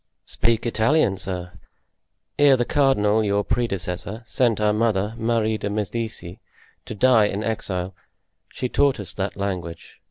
"Speak Italian, sir. Ere the cardinal, your predecessor, sent our mother, Marie de Medicis, to die in exile, she taught us that language.